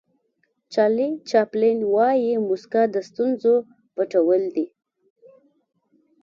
چارلي چاپلین وایي موسکا د ستونزو پټول دي.